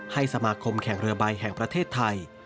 สมาคมแข่งเรือใบแห่งประเทศไทย